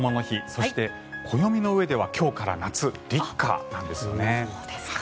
そして暦のうえでは今日から夏立夏なんですよね。